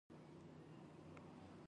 چې له مخې يې ايمان رامنځته کولای شئ.